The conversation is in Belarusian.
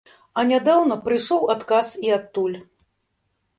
А нядаўна прыйшоў адказ і адтуль.